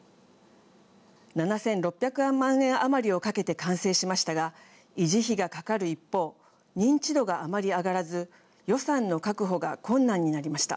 ７，６００万円余りをかけて完成しましたが維持費がかかる一方認知度があまり上がらず予算の確保が困難になりました。